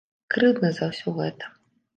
Крыўдна за ўсё гэта.